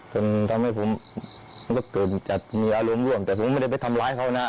จนทำให้ผมมันก็เกิดจากมีอารมณ์ร่วมแต่ผมไม่ได้ไปทำร้ายเขานะ